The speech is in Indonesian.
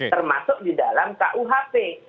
termasuk di dalam kuhp